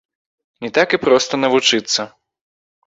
Не так і проста навучыцца.